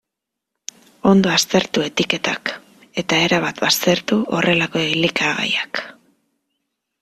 Ondo aztertu etiketak, eta erabat baztertu horrelako elikagaiak.